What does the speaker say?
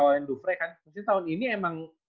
mungkin tahun ini emang